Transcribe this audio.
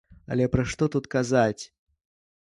Але пра што тут казаць?